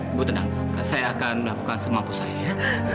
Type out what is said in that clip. ibu tenang saya akan melakukan semampu saya ya